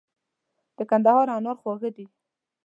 د کندهار انار خواږه دي.